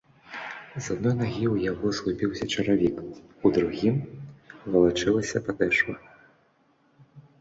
З адной нагі ў яго згубіўся чаравік, у другім валачылася падэшва.